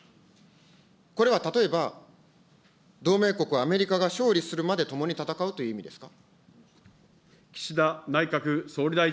これは例えば、同盟国アメリカが勝利するまで共に戦うという意味ですか。